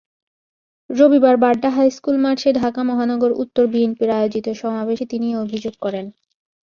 রবিবার বাড্ডা হাইস্কুল মাঠে ঢাকা মহানগর উত্তর বিএনপির আয়োজিত সমাবেশে তিনি এ অভিযোগ করেন।